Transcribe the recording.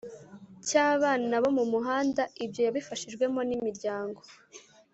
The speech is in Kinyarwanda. cy abana bo mu muhanda Ibyo yabifashijwemo n imiryango